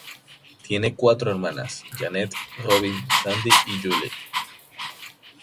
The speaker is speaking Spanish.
Tiene cuatro hermanas, Janet, Robin, Sandy y Julie.